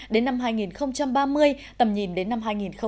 đến năm hai nghìn ba mươi tầm nhìn đến năm hai nghìn bốn mươi năm